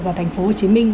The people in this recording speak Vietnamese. và thành phố hồ chí minh